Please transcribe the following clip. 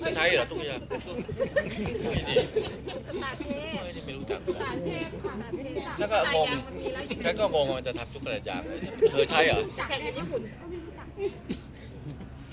สมัญคือชุดแรกที่ต้องเพื่อเทศ